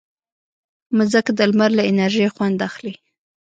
مځکه د لمر له انرژي ژوند اخلي.